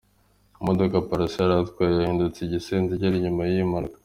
Imodoka Pallaso yari atwaye yahindutse igisenzegeri nyuma y'iyi mpanuka.